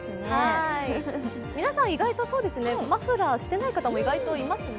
皆さん意外とマフラーしていない方もいますね。